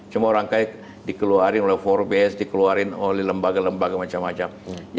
semua orang kayak dikeluarin oleh forbes dikeluarin oleh lembaga lembaga macam macam